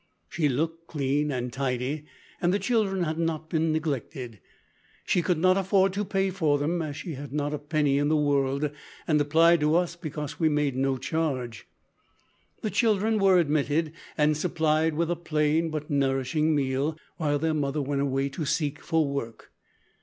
She looked clean and tidy, and the children had not been neglected. She could not afford to pay for them, as she had not a penny in the world, and applied to us because we made no charge. The children were admitted and supplied with a plain but nourishing meal, while their mother went away to seek for work.